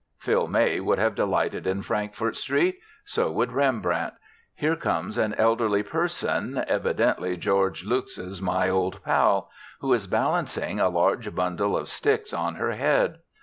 Phil May would have delighted in Frankfort Street. So would Rembrandt. Here comes an elderly person, evidently George Luk's "My Old Pal," who is balancing a large bundle of sticks on her head.